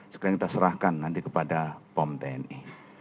sekarang kita serahkan nanti kepada pom tni